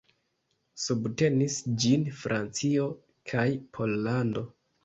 Subtenis ĝin Francio kaj Pollando.